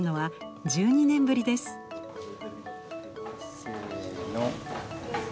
せの。